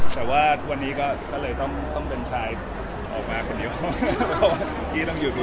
แต่ว่าวันนี้ก็เลยต้องเป็นชายออกมาคนเดียวเพราะว่าพี่ต้องหยุดอยู่